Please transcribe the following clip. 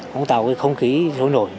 cũng tạo không khí sôi nổi